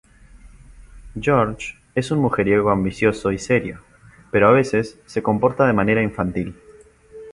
George es mujeriego, ambicioso y serio, pero a veces se comporta de manera infantil.